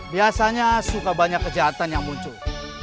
biasanya suka banyak kejahatan yang muncul